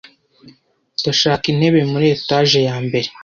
Ndashaka intebe muri etage ya mbere.